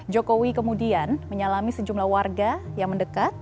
jokowi kemudian menyalami sejumlah warga yang mendekat